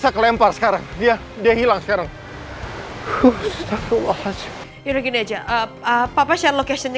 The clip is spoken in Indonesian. rasa kelempar sekarang dia dia hilang sekarang khusus allah ya gini aja apa apa location nya